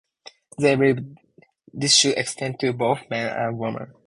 They believe this should extend to both men and women.